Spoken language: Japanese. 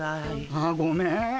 あごめん。